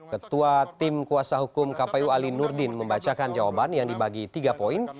ketua tim kuasa hukum kpu ali nurdin membacakan jawaban yang dibagi tiga poin